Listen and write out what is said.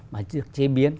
mà được chế biến